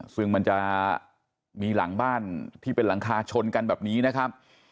ซึ่งมันจะมีหลังบ้านที่เป็นหลังคาชนกันแบบนี้นะครับ